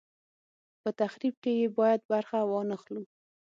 په تخریب کې یې باید برخه وانه خلو.